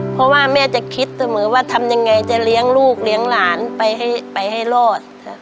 เพราะว่าแม่จะคิดเสมอว่าทำยังไงจะเลี้ยงลูกเลี้ยงหลานไปให้รอด